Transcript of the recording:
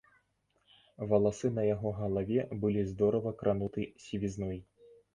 Валасы на яго галаве былі здорава крануты сівізной.